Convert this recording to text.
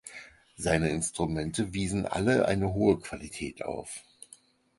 Seine Instrumente wiesen alle eine hohe Qualität auf.